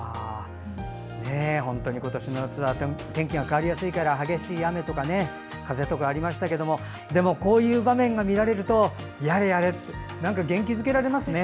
本当に今年の夏は天気が変わりやすいから激しい雨とか風とかありましたけどもでも、こういう場面が見られるとやはりなんか元気づけられますね。